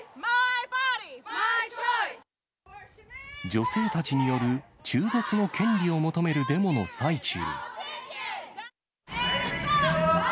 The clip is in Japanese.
女性たちによる中絶の権利を求めるデモの最中。